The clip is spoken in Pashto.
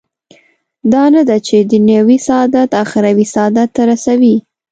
دا نه ده چې دنیوي سعادت اخروي سعادت ته رسوي.